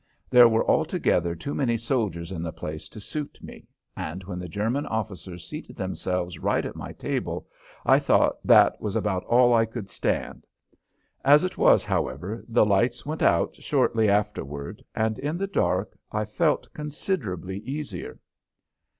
There were altogether too many soldiers in the place to suit me, and when the German officers seated themselves right at my table I thought that was about all I could stand. As it was, however, the lights went out shortly afterward and in the dark I felt considerably easier.